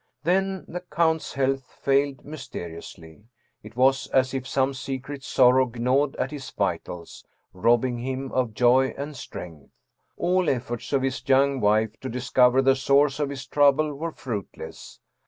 Then the count's health failed mys teriously. It was as if some secret sorrow gnawed at his vitals, robbing him of joy and strength. All efforts of his young wife to discover the source of his trouble were fruitless.